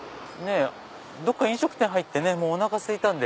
どっか飲食店入ってもうおなかすいたんで。